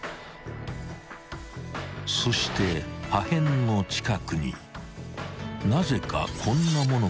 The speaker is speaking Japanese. ［そして破片の近くになぜかこんなものが落ちていた］